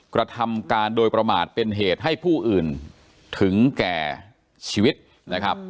กระทำการโดยประมาทเป็นเหตุให้ผู้อื่นถึงแก่ชีวิตนะครับ